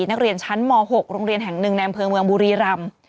นักเรียนชั้นม๖โรงเรียนแห่ง๑แนมเพลิงเมืองบุรีรำ